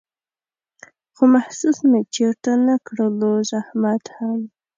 خو محسوس مې چېرته نه کړلو زحمت هم